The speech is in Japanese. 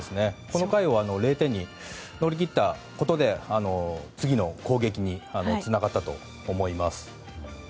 この回を０点で乗り切ったことで次の攻撃につながったと思います。